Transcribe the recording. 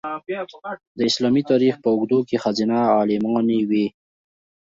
د اسلامي تاریخ په اوږدو کې ښځینه عالمانې وې.